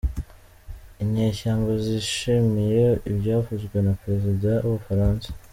Inyeshyamba zishimiye ibyavuzwe na perezida wubufaransa